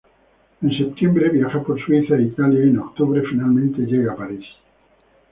En septiembre viaja por Suiza e Italia y en octubre, finalmente, arriba a París.